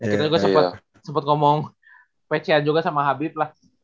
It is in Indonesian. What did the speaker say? kita juga sempet ngomong pecean juga sama habib lah